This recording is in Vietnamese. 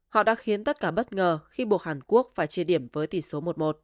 họ đã khiến tất cả bất ngờ khi buộc hàn quốc phải chia điểm với tỷ số một